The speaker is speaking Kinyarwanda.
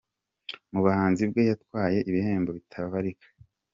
Mu buhanzi bwe yatwaye ibihembo bitabarika.